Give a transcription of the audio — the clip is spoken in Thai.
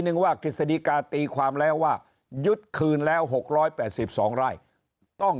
นึงว่าทฤษฎิกาตีความแล้วว่ายุทธ์คืนแล้ว๖๘๒รายต้อง